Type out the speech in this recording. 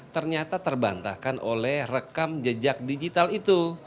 ternyata terbantahkan oleh rekam jejak digital itu